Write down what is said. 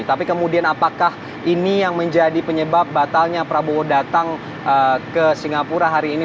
tapi kemudian apakah ini yang menjadi penyebab batalnya prabowo datang ke singapura hari ini